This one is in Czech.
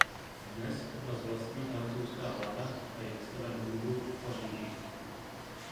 Dnes obraz vlastní francouzská vláda a je vystaven v Louvru v Paříži.